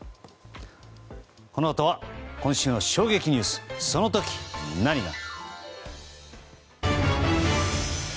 このあとは今週の衝撃ニュースそのとき何が。